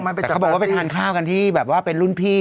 เขาบอกว่าไปทานข้าวกันที่แบบว่าเป็นรุ่นพี่